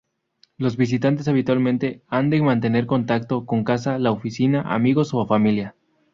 Los visitantes habitualmente han de mantener contacto con casa, la oficina, amigos o familia.